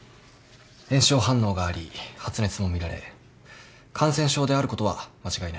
炎症反応があり発熱も見られ感染症であることは間違いないと思います。